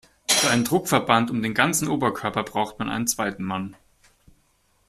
Für einen Druckverband um den ganzen Oberkörper braucht man einen zweiten Mann.